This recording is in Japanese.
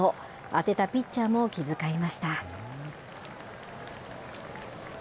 当てたピッチャーも気遣いました。